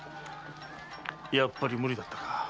やっぱり無理だったか。